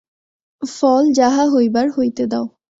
ফল যাহা হইবার হইতে দাও।